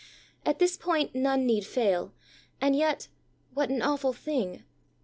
At this point none need fail, and yet, what an awful thing!